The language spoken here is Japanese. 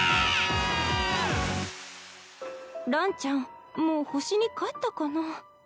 ランちゃんもう星に帰ったかな